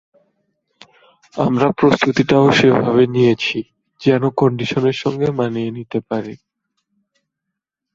আমরা প্রস্তুতিটাও সেভাবে নিয়েছি, যেন কন্ডিশনের সঙ্গে মানিয়ে নিতে পারি।